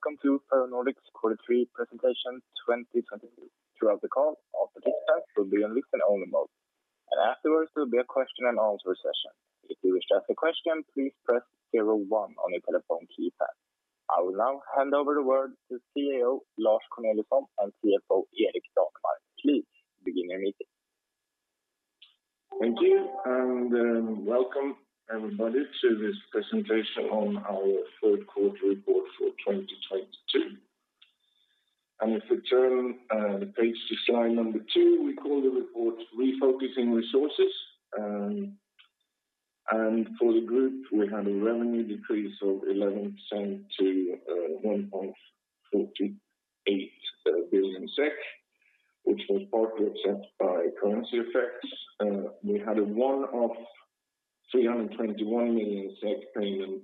Welcome to Ferronordic's Quarter Three Presentation 2022. Throughout the call, all participants will be on listen-only mode, and afterwards, there will be a question and answer session. If you wish to ask a question, please press zero one on your telephone keypad. I will now hand over the word to CEO Lars Corneliusson and CFO Erik Danemar. Please begin your meeting. Thank you and welcome everybody to this presentation on our third quarter report for 2022. If we turn the page to slide number two, we call the report Refocusing Resources, and for the group, we had a revenue decrease of 11% to 1.48 billion SEK, which was partly offset by currency effects. We had a one-off 321 million payment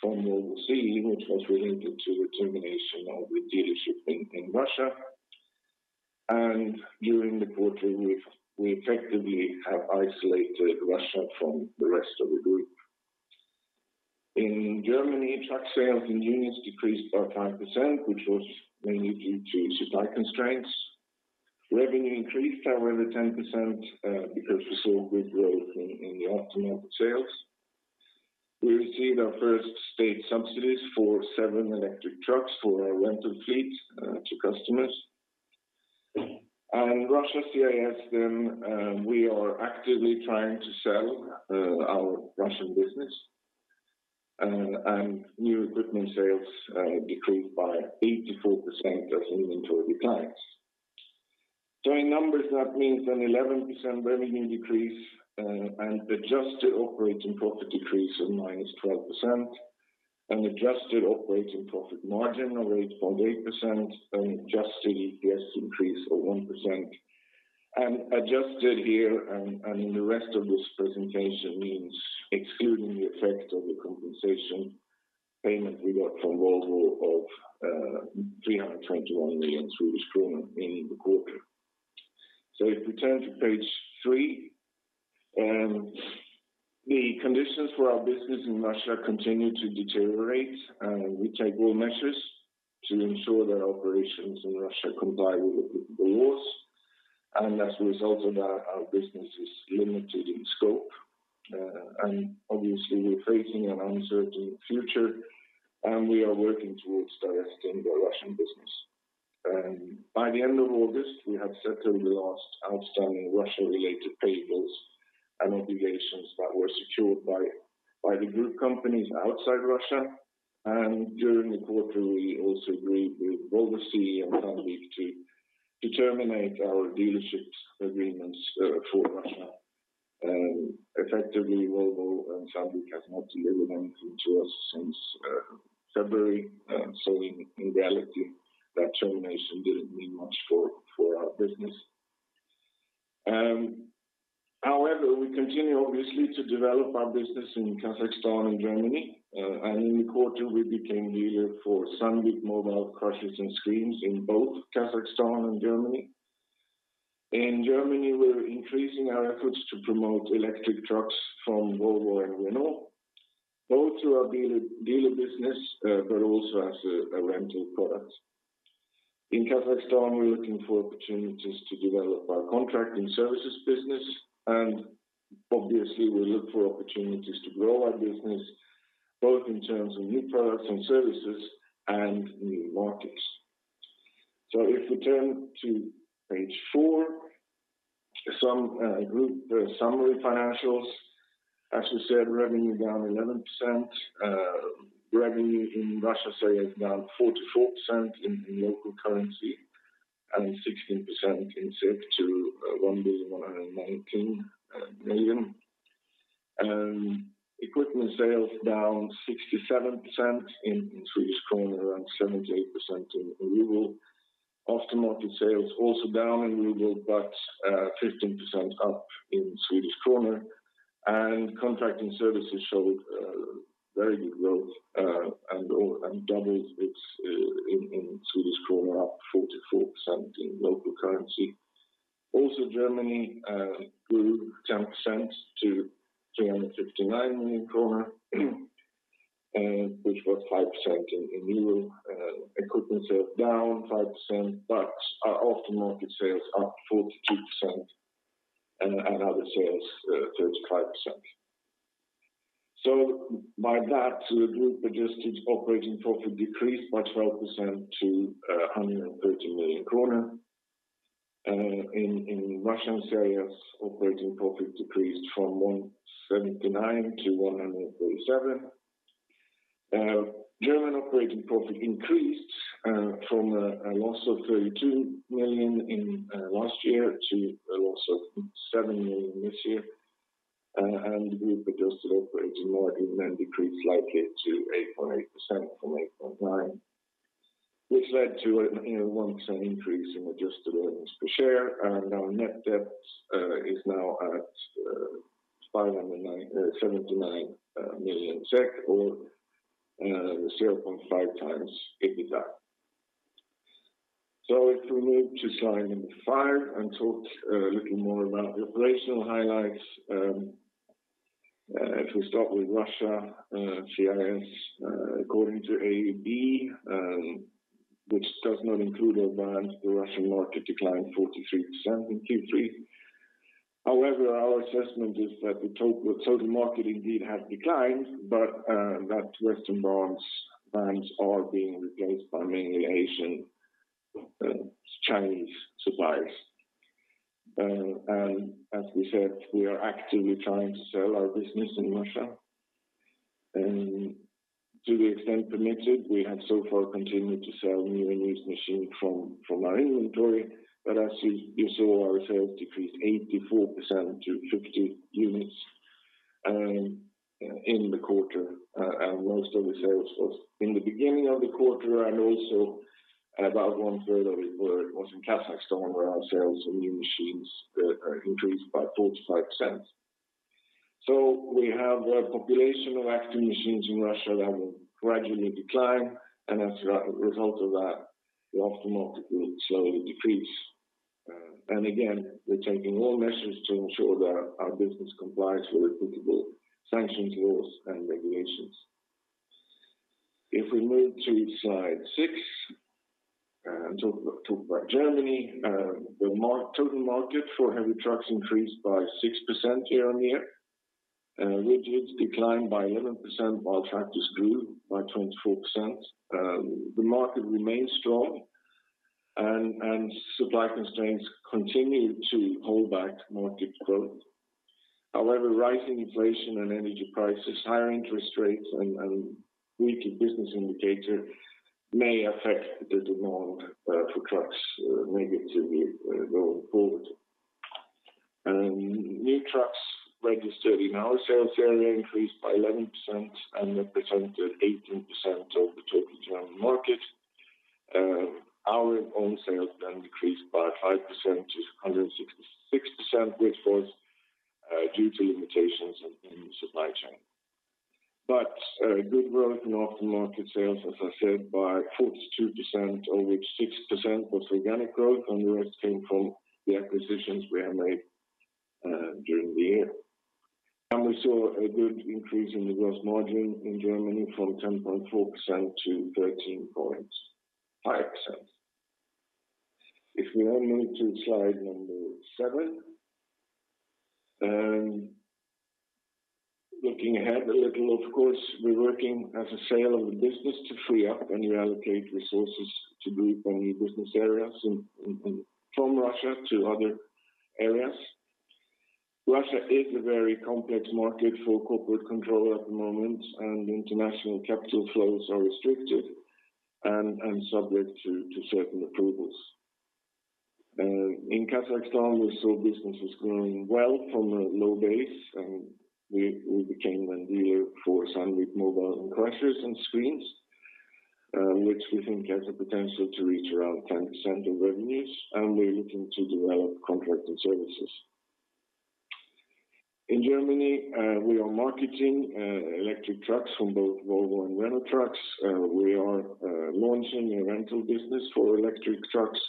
from Volvo CE, which was related to the termination of the dealership in Russia. During the quarter, we effectively have isolated Russia from the rest of the group. In Germany, truck sales and units decreased by 5%, which was mainly due to supply constraints. Revenue increased, however, 10%, because we saw good growth in the aftermarket sales. We received our first state subsidies for seven electric trucks for our rental fleet to customers. Russia/CIS, we are actively trying to sell our Russian business, and new equipment sales decreased by 84% as inventory declines. In numbers, that means an 11% revenue decrease, an adjusted operating profit decrease of -12%, an adjusted operating profit margin of 8.8%, an adjusted EPS increase of 1%. Adjusted here and in the rest of this presentation means excluding the effect of the compensation payment we got from Volvo of 321 million in the quarter. If we turn to page three, the conditions for our business in Russia continue to deteriorate, and we take all measures to ensure that our operations in Russia comply with the laws. As a result of that, our business is limited in scope, and obviously, we're facing an uncertain future, and we are working towards divesting the Russian business. By the end of August, we had settled the last outstanding Russia-related payables and obligations that were secured by the group companies outside Russia. During the quarter, we also agreed with Volvo CE and Sandvik to terminate our dealership agreements for Russia. Effectively, Volvo and Sandvik have not delivered anything to us since February, so in reality, that termination didn't mean much for our business. However, we continue obviously to develop our business in Kazakhstan and Germany, and in the quarter, we became dealer for Sandvik mobile crushers and screens in both Kazakhstan and Germany. In Germany, we're increasing our efforts to promote electric trucks from Volvo and Renault, both through our dealer business, but also as a rental product. In Kazakhstan, we're looking for opportunities to develop our Contracting Services business, and obviously, we look for opportunities to grow our business, both in terms of new products and services and new markets. If we turn to page four, some group summary financials. As we said, revenue down 11%. Revenue in Russian sales down 44% in local currency and 16% in SEK to 1,119 million. Equipment sales down 67% in Swedish krona, around 78% in euro. Aftermarket sales also down in euro, but 15% up in Swedish krona. Contracting Services showed very good growth and doubled its in Swedish krona, up 44% in local currency. Also Germany grew 10% to 359 million kronor, which was 5% in EUR. Equipment sales down 5%, but our aftermarket sales up 42% and other sales 35%. By that, group-adjusted operating profit decreased by 12% to 130 million kronor. In Russian sales, operating profit decreased from 179 to 137. German operating profit increased from a loss of 32 million last year to a loss of 7 million this year. Group-adjusted operating margin then decreased slightly to 8.8% from 8.9%, which led to a 1% increase in adjusted earnings per share. Our net debt is now at 509.79 million SEK or 0.5x EBITDA. If we move to slide five and talk a little more about the operational highlights. If we start with Russia, CIS, according to AEB, which does not include Iran, the Russian market declined 43% in Q3. However, our assessment is that the total market indeed has declined, but that Western brands are being replaced by mainly Asian, Chinese suppliers. As we said, we are actively trying to sell our business in Russia. To the extent permitted, we have so far continued to sell new and used machines from our inventory. As you saw, our sales decreased 84% to 50 units in the quarter. Most of the sales was in the beginning of the quarter, and also about one-third of it was in Kazakhstan, where our sales of new machines increased by 45%. We have a population of active machines in Russia that will gradually decline, and as a result of that, the aftermarket will slowly decrease. Again, we're taking all measures to ensure that our business complies with applicable sanctions, laws, and regulations. If we move to slide six and talk about Germany, the total market for heavy trucks increased by 6% year-on-year. Rigids declined by 11%, while tractors grew by 24%. The market remains strong and supply constraints continue to hold back market growth. However, rising inflation and energy prices, higher interest rates, and weaker business indicator may affect the demand for trucks negatively going forward. New trucks registered in our sales area increased by 11% and represented 18% of the total German market. Our own sales then decreased by 5% to 166 units which was due to limitations in supply chain. Good growth in aftermarket sales, as I said, by 42%, of which 6% was organic growth, and the rest came from the acquisitions we have made during the year. We saw a good increase in the gross margin in Germany from 10.4%-13.5%. If we now move to slide number seven, looking ahead a little, of course, we're working on a sale of the business to free up and reallocate resources to group-only business areas from Russia to other areas. Russia is a very complex market for corporate control at the moment, and international capital flows are restricted and subject to certain approvals. In Kazakhstan, we saw businesses growing well from a low base, and we became a dealer for Sandvik mobile crushers and screens, which we think has the potential to reach around 10% of revenues, and we're looking to develop Contracting Services. In Germany, we are marketing electric trucks from both Volvo and Renault Trucks. We are launching a rental business for electric trucks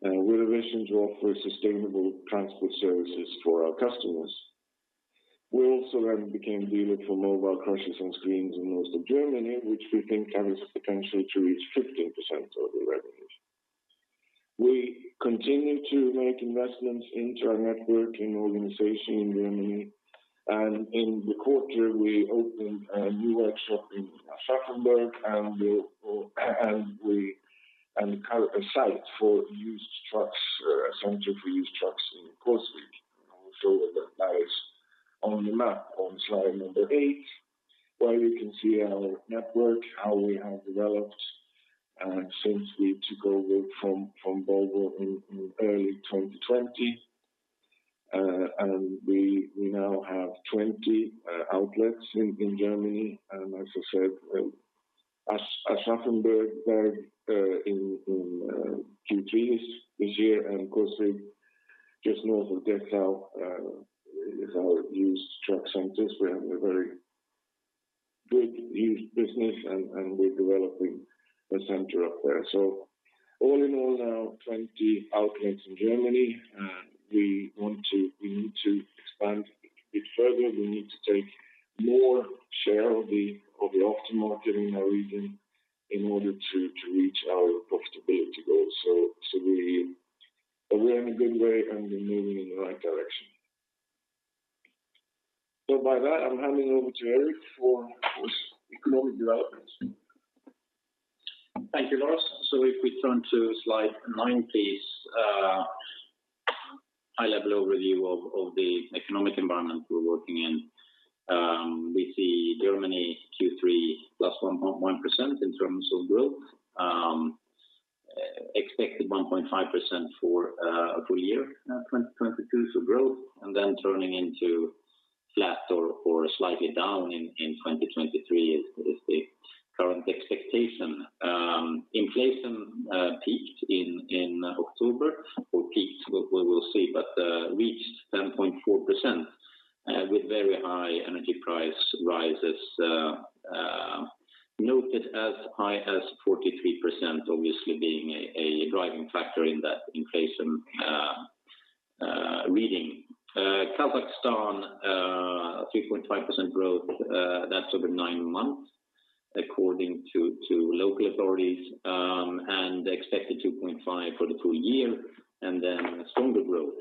with a vision to offer sustainable transport services for our customers. We also then became dealer for mobile crushers and screens in northern Germany, which we think has the potential to reach 15% of the revenues. We continue to make investments into our network and organization in Germany. In the quarter, we opened a new workshop in Aschaffenburg, and a site for used trucks, a center for used trucks in Coswig. I will show where that lies on the map on slide number eight, where you can see our network, how we have developed since we took over from Volvo in early 2020. We now have 20 outlets in Germany. As I said, Aschaffenburg in Q3 this year, and Coswig, just north of Dessau, is our used truck centers. We have a very big used business, and we're developing a center up there. All in all now, 20 outlets in Germany, and we need to expand it further. We need to take more share of the aftermarket in our region in order to reach our profitability goals. We're in a good way, and we're moving in the right direction. By that, I'm handing over to Erik for economic developments. Thank you, Lars. If we turn to slide nine, please. High-level overview of the economic environment we're working in. We see Germany Q3 +1.1% in terms of growth. Expected 1.5% for a full year, 2022 for growth, and then turning into flat or slightly down in 2023 is the current expectation. Inflation peaked in October or peaked, we will see, but reached 10.4%. With very high energy price rises noted as high as 43% obviously being a driving factor in that inflation reading. Kazakhstan, a 3.5% growth, that's over nine months according to local authorities, and expected 2.5% for the full year, and then stronger growth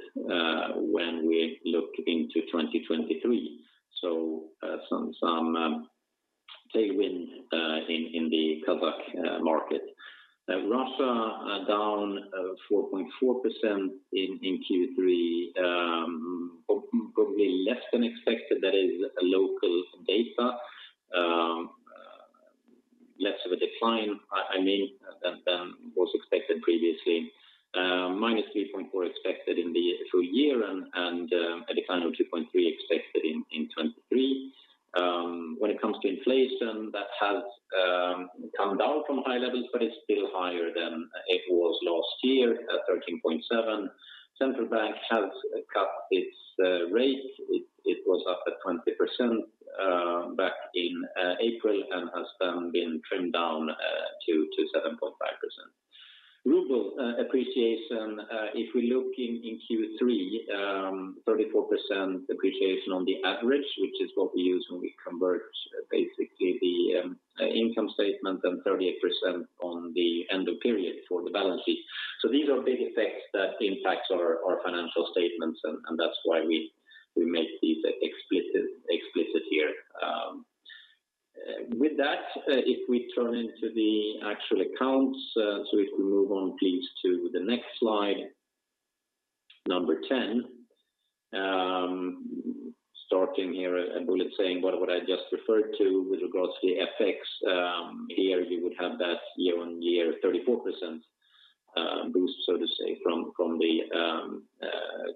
when we look into 2023. Some tailwind in the Kazakh market. Russia, down 4.4% in Q3, probably less than expected. That is local data, less of a decline, I mean, than was expected previously. Minus 3.4% expected in the full year and a decline of 2.3% expected in 2023. When it comes to inflation, that has come down from high levels, but it's still higher than it was last year at 13.7%. Central Bank has cut its rate. It was up at 20% back in April and has then been trimmed down to 7.5%. Ruble appreciation if we look in Q3, 34% appreciation on the average, which is what we use when we convert basically the income statement, and 38% on the end of period for the balance sheet. These are big effects that impacts our financial statements, and that's why we make these explicit here. With that, if we move on please to the next slide, number 10. Starting here, a bullet saying what I just referred to with regards to the FX. Here you would have that year-on-year 34% boost, so to say, from the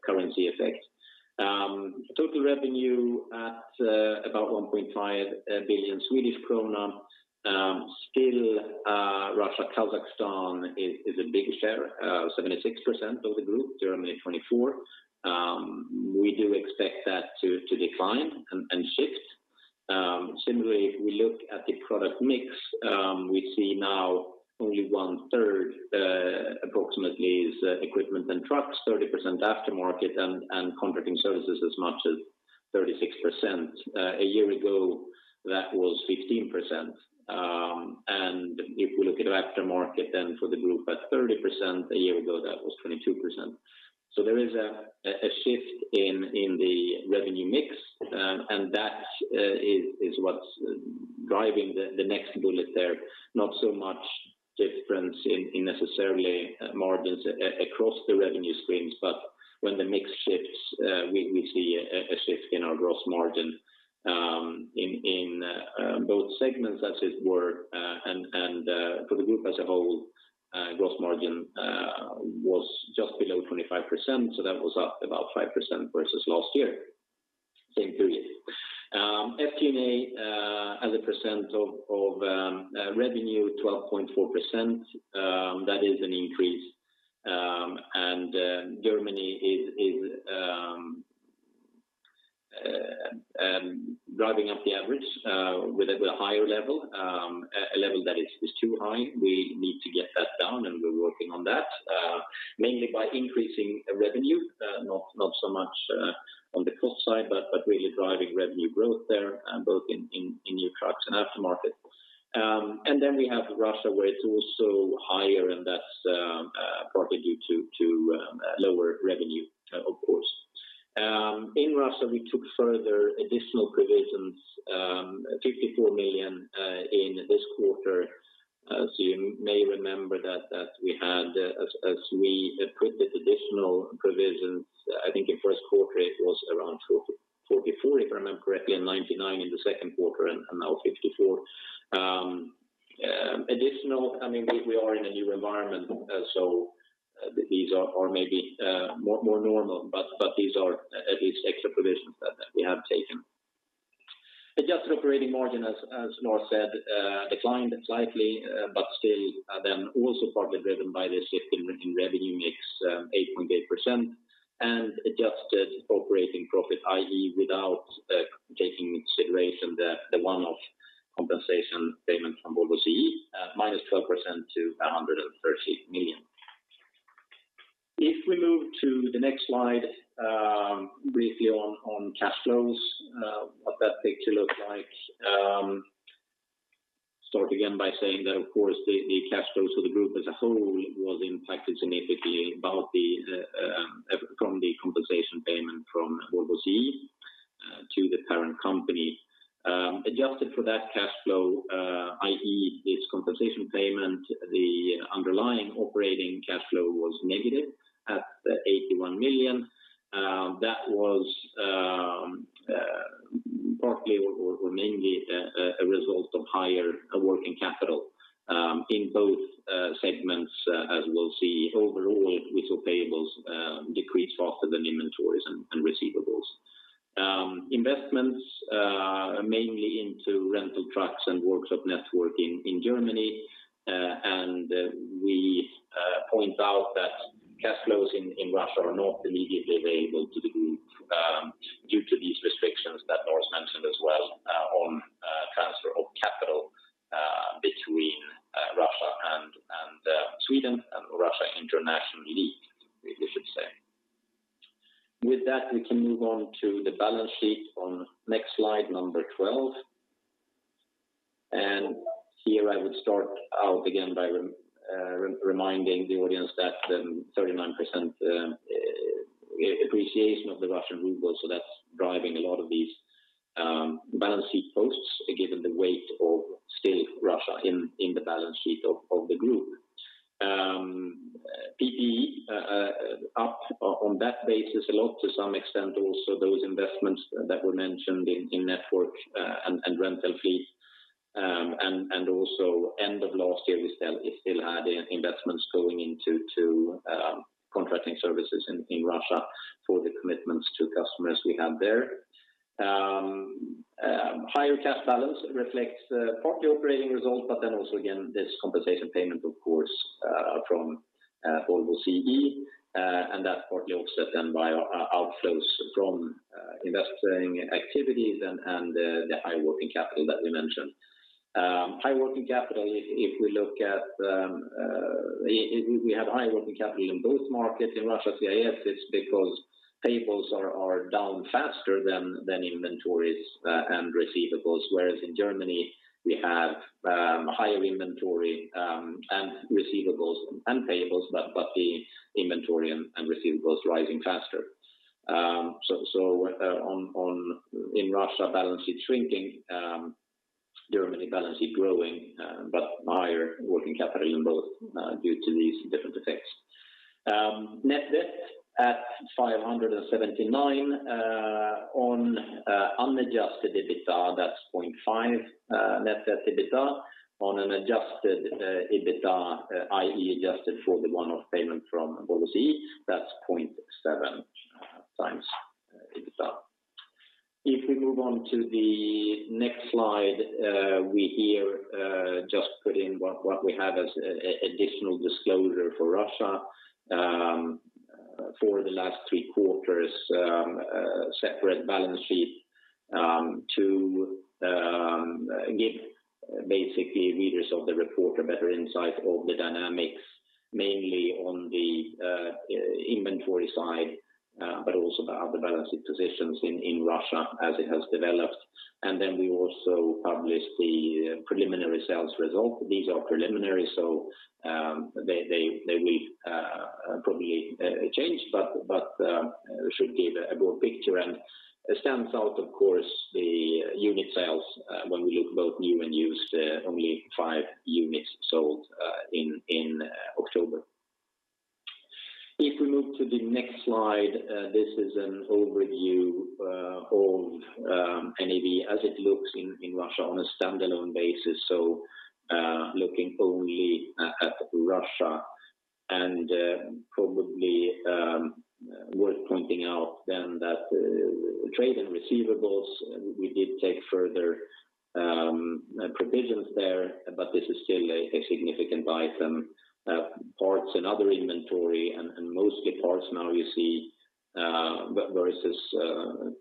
currency effect. Total revenue at about 1.5 billion Swedish krona. Still, Russia, Kazakhstan is a big share, 76% of the group, Germany 24%. We do expect that to decline and shift. Similarly, if we look at the product mix, we see now only 1/3 approximately is equipment and trucks, 30% aftermarket, and Contracting Services as much as 36%. A year ago, that was 15%. If we look at aftermarket then for the group at 30%, a year ago that was 22%. There is a shift in the revenue mix, and that is what's driving the next bullet there. Not so much difference in necessarily margins across the revenue streams, but when the mix shifts, we see a shift in our gross margin in both segments as it were, and for the group as a whole, gross margin was just below 25%. That was up about 5% versus last year, same period. SG&A as a percent of revenue 12.4%, that is an increase. Germany is driving up the average with a higher level, a level that is too high. We need to get that down, and we're working on that, mainly by increasing revenue, not so much on the cost side, but really driving revenue growth there, both in new trucks and aftermarket. We have Russia, where it's also higher, and that's partly due to lower revenue, of course. In Russia, we took further additional provisions, 54 million in this quarter. As you may remember that we had, as we took additional provisions, I think in first quarter it was around 44, if I remember correctly, and 99 in the second quarter, and now 54. I mean, we are in a new environment, so these are maybe more normal, but these are at least extra provisions that we have taken. Adjusted operating margin, as Lars said, declined slightly, but still then also partly driven by the shift in revenue mix, 8.8%. Adjusted operating profit, i.e., without taking into consideration the one-off compensation payment from Volvo CE, minus 12% to 130 million. If we move to the next slide, briefly on cash flows, what that picture looks like. Start again by saying that, of course, the cash flows of the group as a whole was impacted significantly by the compensation payment from Volvo CE to the parent company. Adjusted for that cash flow, i.e., this compensation payment, the underlying operating cash flow was negative 81 million. That was partly or mainly a result of higher working capital in both segments, as we'll see. Overall, trade payables decreased faster than inventories and receivables. Investments mainly into rental trucks and workshop network in Germany. We point out that cash flows in Russia are not immediately available to the group due to these restrictions that Lars mentioned as well on transfer of capital between Russia and Sweden and Russia internationally, we should say. With that, we can move on to the balance sheet on next slide number 12. And here I would start out again by reminding the audience that the 39% appreciation of the Russian ruble, so that's driving a lot of these balance sheet positions, given the weight of Russia still in the balance sheet of the group. PPE up on that basis a lot to some extent also those investments that were mentioned in network and rental fleet. Also end of last year, we still had investments going into Contracting Services in Russia for the commitments to customers we have there. Higher cash balance reflects partly operating results, but then also again this compensation payment, of course, from Volvo CE, and that partly offset then by outflows from investing activities and the high working capital that we mentioned. High working capital. We have high working capital in both markets. In Russia, CIS, it's because payables are down faster than inventories and receivables. Whereas in Germany, we have higher inventory and receivables and payables, but the inventory and receivables rising faster. In Russia, balance sheet shrinking, Germany balance sheet growing, but higher working capital in both due to these different effects. Net debt at 579 on unadjusted EBITDA, that's 0.5 net debt EBITDA. On an adjusted EBITDA, i.e., adjusted for the one-off payment from Volvo CE, that's 0.7x EBITDA. If we move on to the next slide, we here just put in what we have as an additional disclosure for Russia for the last three quarters separate balance sheet to give basically readers of the report a better insight of the dynamics, mainly on the inventory side but also the other balance sheet positions in Russia as it has developed. Then we also published the preliminary sales result. These are preliminary, so they will probably change, but should give a good picture. It stands out, of course, the unit sales when we look both new and used, only five units sold in October. If we move to the next slide, this is an overview of NAV as it looks in Russia on a standalone basis, looking only at Russia. Probably worth pointing out then that trade receivables, we did take further provisions there, but this is still a significant item. Parts and other inventory, and mostly parts now you see, versus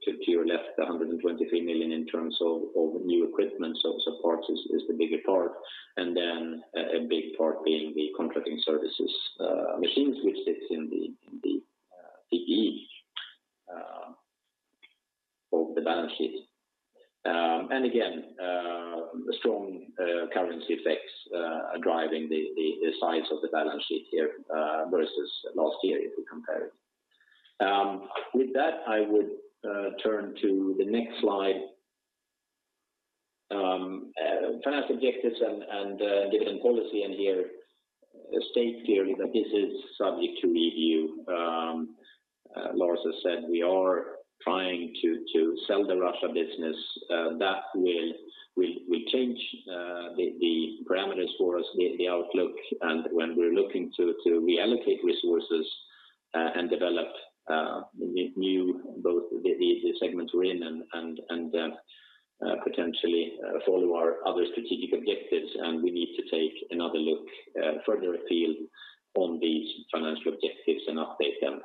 50 or less, 123 million in terms of new equipment. Parts is the bigger part. A big part being the Contracting Services machines, which sits in the PPE of the balance sheet. Again, strong currency effects are driving the size of the balance sheet here versus last year if we compare it. With that, I would turn to the next slide. Finance objectives and dividend policy, and here state clearly that this is subject to review. Lars has said we are trying to sell the Russia business. That will change the parameters for us, the outlook. When we're looking to reallocate resources and develop new both the segments we're in and potentially follow our other strategic objectives, and we need to take another look further afield on these financial objectives and update them.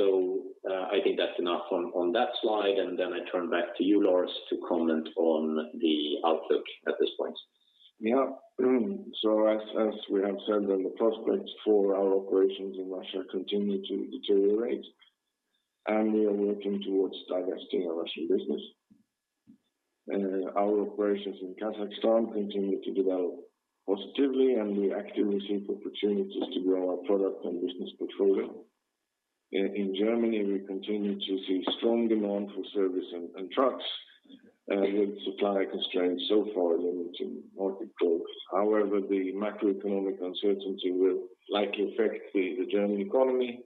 I think that's enough on that slide. I turn back to you, Lars, to comment on the outlook at this point. So as we have said, the prospects for our operations in Russia continue to deteriorate, and we are working towards divesting our Russian business. Our operations in Kazakhstan continue to develop positively, and we actively seek opportunities to grow our product and business portfolio. In Germany, we continue to see strong demand for service and trucks, with supply constraints so far limiting market growth. However, the macroeconomic uncertainty will likely affect the German economy.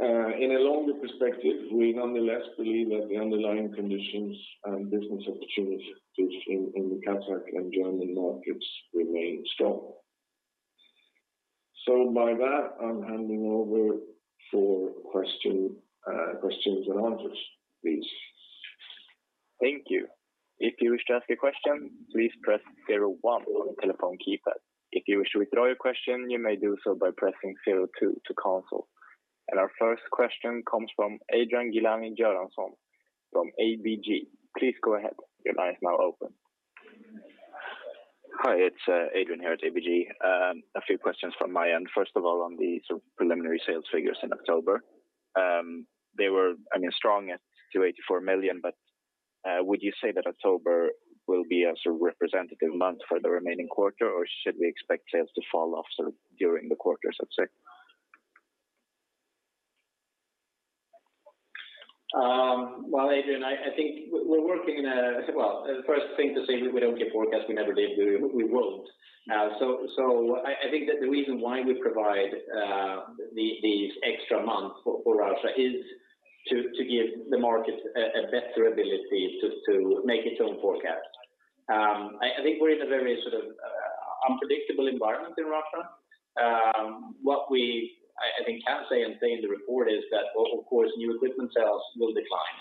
In a longer perspective, we nonetheless believe that the underlying conditions and business opportunities in the Kazakh and German markets remain strong. By that, I'm handing over for questions and answers, please. Thank you. If you wish to ask a question, please press zero one on the telephone keypad. If you wish to withdraw your question, you may do so by pressing zero two to cancel. Our first question comes from Adrian Gilani Göransson from ABG. Please go ahead. Your line is now open. Hi, it's Adrian here at ABG. A few questions from my end. First of all, on the sort of preliminary sales figures in October. They were, I mean, strong at 284 million, but would you say that October will be a sort of representative month for the remaining quarter, or should we expect sales to fall off sort of during the quarter, let's say? Well, Adrian, the first thing to say is we don't give forecasts. We never did. We won't. I think that the reason why we provide these extra month for Russia is to give the market a better ability to make its own forecast. I think we're in a very sort of unpredictable environment in Russia. What we can say in the report is that of course new equipment sales will decline.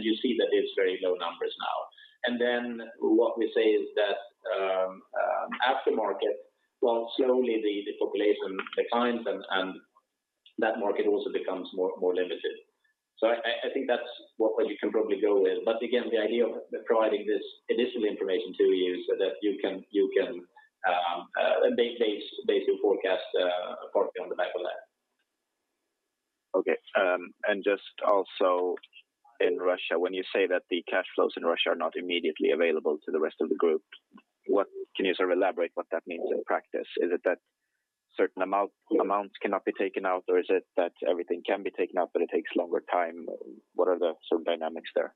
You see that it's very low numbers now. Then what we say is that aftermarket while slowly the population declines and that market also becomes more limited. I think that's what you can probably go with. Again, the idea of providing this additional information to you so that you can base your forecast partly on the back of that. Okay. Just also in Russia, when you say that the cash flows in Russia are not immediately available to the rest of the group, what can you sort of elaborate what that means in practice? Is it that certain amounts cannot be taken out, or is it that everything can be taken out, but it takes longer time? What are the sort of dynamics there?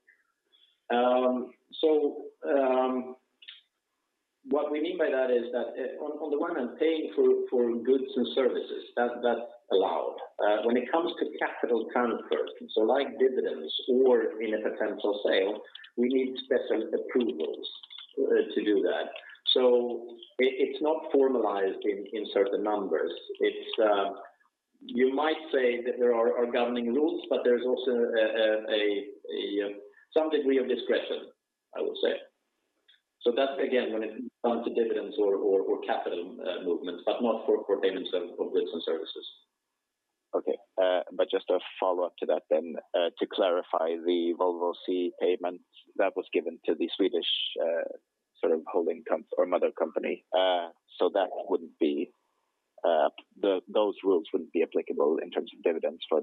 What we mean by that is that on the one hand, paying for goods and services, that's allowed. When it comes to capital transfers, so like dividends or in a potential sale, we need special approvals to do that. It's not formalized in certain numbers. You might say that there are governing rules, but there's also some degree of discretion, I would say. That's again, when it comes to dividends or capital movements, but not for payments of goods and services. Okay. Just a follow-up to that then, to clarify, the Volvo CE payment that was given to the Swedish mother company, so that wouldn't be, those rules wouldn't be applicable in terms of dividends for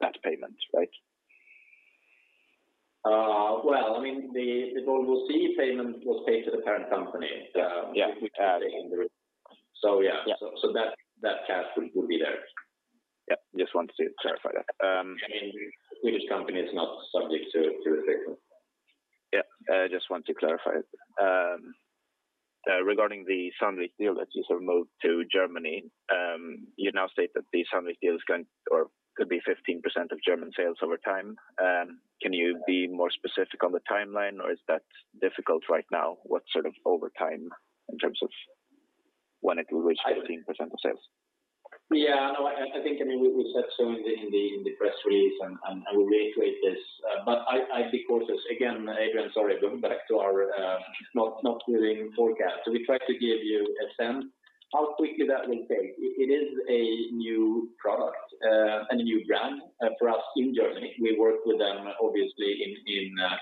that payment, right? Well, I mean, the Volvo CE payment was paid to the parent company. Yeah. Yeah. That cash would be there. Yeah. Just wanted to clarify that. I mean, Swedish company is not subject to effect. Yeah. I just want to clarify. Regarding the Sandvik deal that you sort of moved to Germany, you now state that the Sandvik deal is going or could be 15% of German sales over time. Can you be more specific on the timeline, or is that difficult right now? What sort of over time in terms of when it will reach 15% of sales? Yeah. No, I think, I mean, we said so in the press release, and I will reiterate this. I'd be cautious. Again, Adrian, sorry, going back to our not giving forecast. We try to give you a sense how quickly that will take. It is a new product and a new brand for us in Germany. We work with them obviously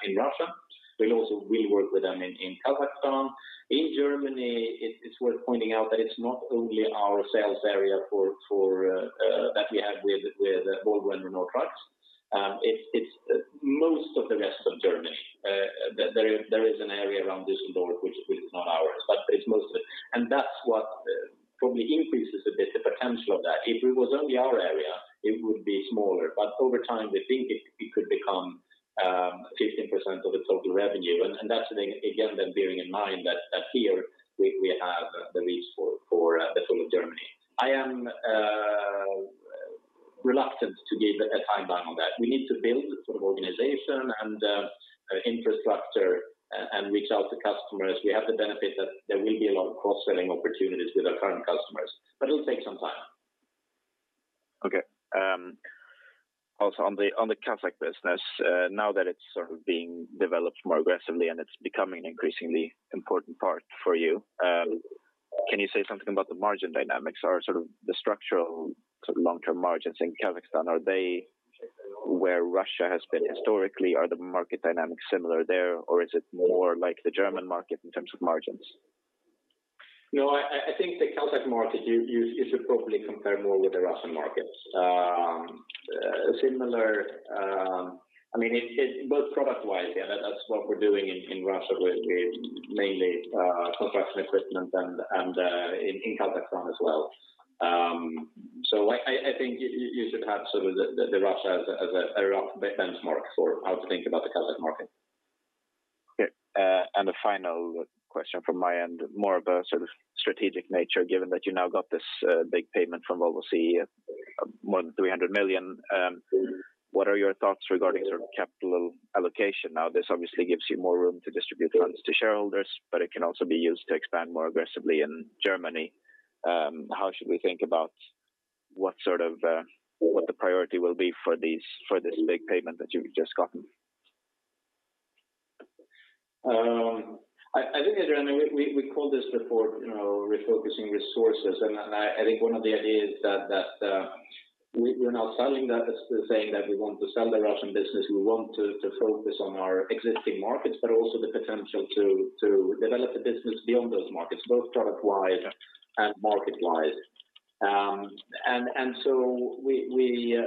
in Russia. We work with them in Kazakhstan. In Germany, it's worth pointing out that it's not only our sales area for that we have with Volvo and Renault Trucks. It's most of the rest of Germany. There is an area around Düsseldorf which is not ours, but it's mostly. That's what probably increases a bit the potential of that. If it was only our area, it would be smaller. Over time, we think it could become 15% of the total revenue. That's again then bearing in mind that here we have the reach for the whole of Germany. I am reluctant to give a timeline on that. We need to build the sort of organization and infrastructure and reach out to customers. We have the benefit that there will be a lot of cross-selling opportunities with our current customers, but it'll take some time. Okay. Also on the Kazakh business, now that it's sort of being developed more aggressively and it's becoming an increasingly important part for you, can you say something about the margin dynamics or sort of the structural sort of long-term margins in Kazakhstan? Are they where Russia has been historically? Are the market dynamics similar there, or is it more like the German market in terms of margins? No, I think the Kazakh market, you should probably compare more with the Russian markets. Similar, I mean, both product-wise, that's what we're doing in Russia with mainly construction equipment and in Kazakhstan as well. I think you should have sort of the Russia as a rough benchmark for how to think about the Kazakh market. Okay. A final question from my end, more of a sort of strategic nature, given that you now got this big payment from Volvo CE, more than 300 million. What are your thoughts regarding sort of capital allocation? Now, this obviously gives you more room to distribute funds to shareholders, but it can also be used to expand more aggressively in Germany. What sort of what the priority will be for these, for this big payment that you've just gotten? I think, Adrian, we called this report, you know, refocusing resources. I think one of the ideas that we're now selling that is saying that we want to sell the Russian business. We want to focus on our existing markets, but also the potential to develop the business beyond those markets, both product-wise and market-wise. We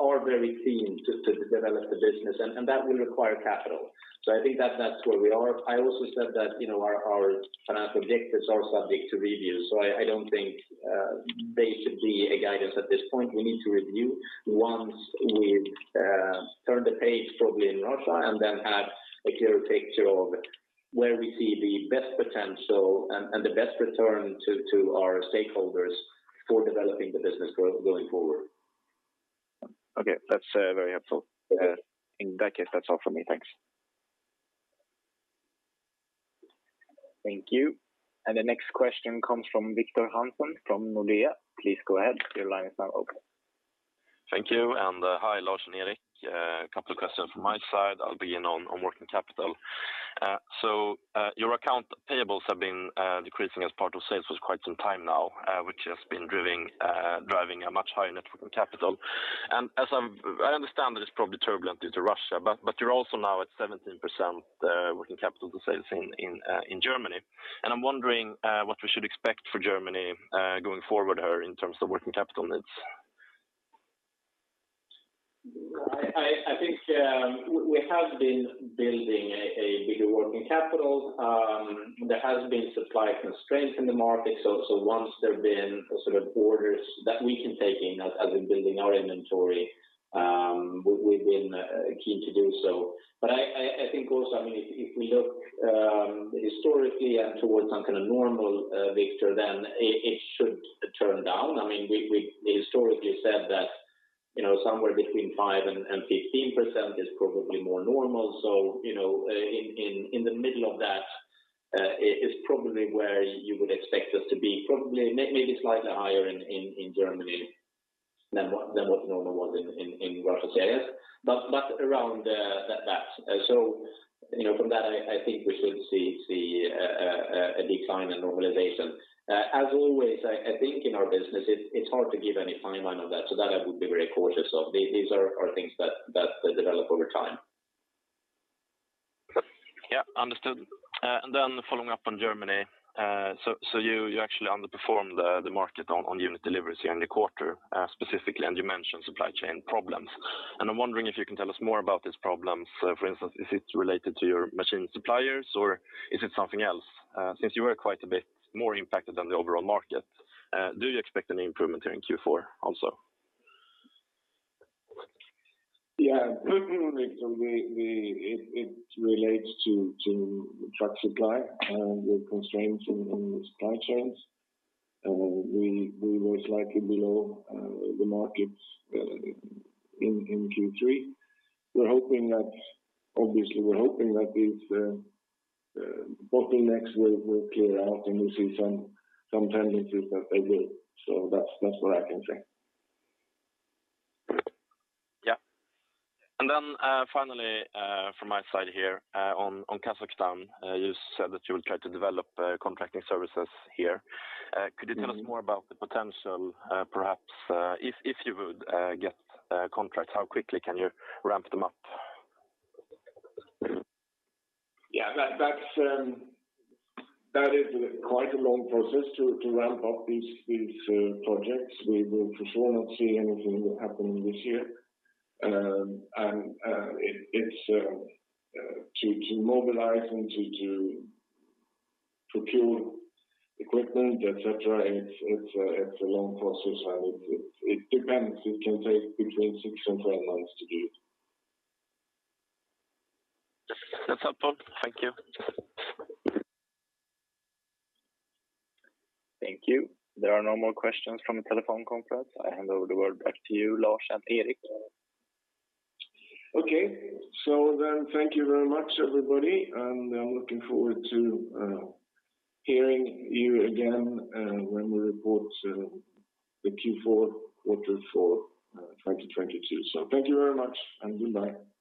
are very keen to develop the business, and that will require capital. I think that that's where we are. I also said that, you know, our financial objectives are subject to review. I don't think there should be a guidance at this point. We need to review once we've turned the page, probably in Russia, and then have a clear picture of where we see the best potential and the best return to our stakeholders for developing the business going forward. Okay. That's very helpful. In that case, that's all from me. Thanks. Thank you. The next question comes from Victor Hansen from Nordea. Please go ahead. Your line is now open. Thank you. Hi, Lars and Erik. A couple of questions from my side. I'll begin on working capital. Your account payables have been decreasing as part of sales for quite some time now, which has been driving a much higher net working capital. I understand that it's probably turbulent due to Russia, but you're also now at 17% working capital to sales in Germany. I'm wondering what we should expect for Germany going forward or in terms of working capital needs. I think we have been building a bigger working capital. There have been supply constraints in the market. Once there have been sort of orders that we can take in as in building our inventory, we've been keen to do so. I think also, I mean, if we look historically and towards some kind of normal, Victor, then it should turn down. I mean, we historically said that, you know, somewhere between 5%-15% is probably more normal. You know, in the middle of that is probably where you would expect us to be, probably maybe slightly higher in Germany than what normal was in Russia's case. Around that. You know, from that, I think we should see a decline in normalization. As always, I think in our business, it's hard to give any timeline on that, so that I would be very cautious of. These are things that develop over time. Yeah. Understood. Following up on Germany. So you actually underperformed the market on unit deliveries here in the quarter, specifically, and you mentioned supply chain problems. I'm wondering if you can tell us more about these problems. For instance, is it related to your machine suppliers, or is it something else? Since you were quite a bit more impacted than the overall market, do you expect any improvement here in Q4 also? Yeah. Victor, it relates to truck supply with constraints in the supply chains. We were slightly below the markets in Q3. Obviously, we're hoping that these bottlenecks will clear out, and we see some tendencies that they will. That's what I can say. Yeah. Finally, from my side here, on Kazakhstan, you said that you would try to develop Contracting Services here. Could you tell us more about the potential, perhaps, if you would get contracts, how quickly can you ramp them up? Yeah. That is quite a long process to ramp up these projects. We will for sure not see anything happening this year. It's to mobilize and to procure equipment, et cetera. It's a long process, and it depends. It can take between six and 12 months to do. That's helpful. Thank you. Thank you. There are no more questions from the telephone conference. I hand over the word back to you, Lars and Erik. Okay. Thank you very much, everybody, and I'm looking forward to hearing you again when we report the Q4 quarter for 2022. Thank you very much, and goodbye.